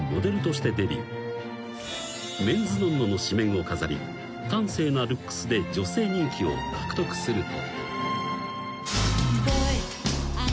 ［『ＭＥＮ’ＳＮＯＮ−ＮＯ』の紙面を飾り端正なルックスで女性人気を獲得すると］